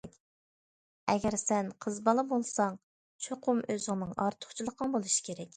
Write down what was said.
ئەگەر سەن قىز بالا بولساڭ، چوقۇم ئۆزۈڭنىڭ ئارتۇقچىلىقىڭ بولۇشى كېرەك.